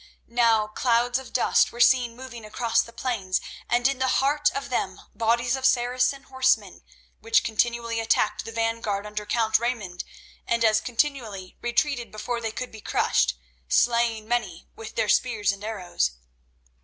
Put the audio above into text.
Now clouds of dust were seen moving across the plains, and in the heart of them bodies of Saracen horsemen, which continually attacked the vanguard under Count Raymond, and as continually retreated before they could be crushed, slaying many with their spears and arrows.